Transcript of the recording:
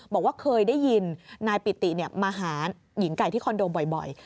บอกว่าเคยได้ยินนายปิติมาหาหญิงไก่ที่คอนโดบ่อย